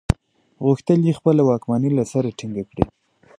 غوښتل یې خپله واکمني له سره ټینګه کړي.